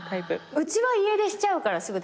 うちは家出しちゃうからすぐ旦那さんが。